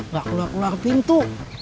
gak keluar keluar pintu